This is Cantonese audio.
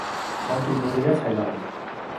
我見你哋一齊嚟